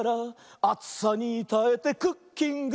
「あつさにたえてクッキング」